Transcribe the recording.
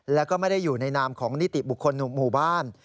แล้วก็ไม่ได้อยู่ในนามของนิติบุคคลหมู่บ้าน